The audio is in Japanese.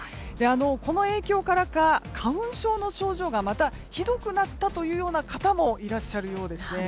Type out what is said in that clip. この影響からか花粉症の症状がまたひどくなったという方もいらっしゃるようですね。